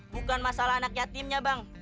bukan masalah anak yatimnya bang